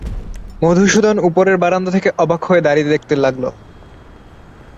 মধুসূদন উপরের বারান্দা থেকে অবাক হয়ে দাঁড়িয়ে দেখতে লাগল।